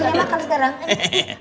tariknya makan sederhana